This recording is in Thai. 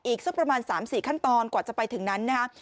อีกสักประมาณสามสี่ขั้นตอนกว่าจะไปถึงนั้นนะฮะ